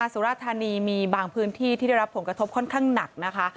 สุราธานีมีบางพื้นที่ที่ได้รับผลกระทบค่อนข้างหนักนะคะ